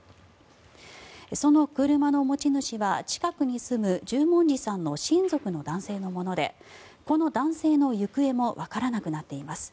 その車の持ち主は近くに住む、十文字さんの親族の男性のものでこの男性の行方もわからなくなっています。